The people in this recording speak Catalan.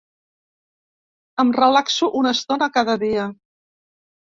Em relaxo una estona cada dia.